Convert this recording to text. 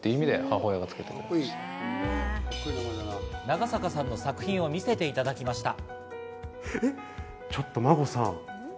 長坂さんの作品を見せていただきました。